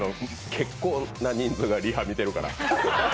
結構な人数がリハ見てるから。